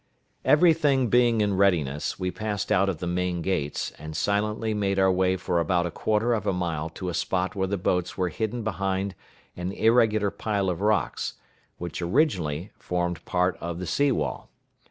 Every thing being in readiness, we passed out of the main gates, and silently made our way for about a quarter of a mile to a spot where the boats were hidden behind an irregular pile of rocks, which originally formed part of the sea wall.